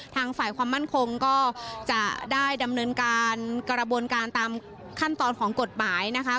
ทางฝ่ายความมั่นคงก็จะได้ดำเนินการกระบวนการตามขั้นตอนของกฎหมายนะคะ